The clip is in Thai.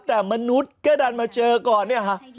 แต่มนุษย์ก็ดันมาเจอก่อนเนี่ยค่ะ